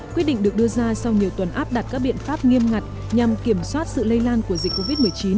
quyết định được đưa ra sau nhiều tuần áp đặt các biện pháp nghiêm ngặt nhằm kiểm soát sự lây lan của dịch covid một mươi chín